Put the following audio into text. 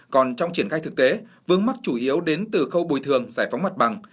còn trong triển khai thực tế vướng mắc chủ yếu đến từ khâu bồi thường giải phóng mặt bằng